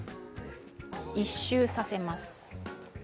一周させます。